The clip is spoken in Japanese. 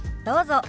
どうぞ。